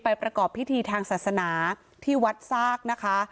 ประกอบพิธีทางศาสนาที่วัดซากนะคะ